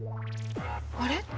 あれ？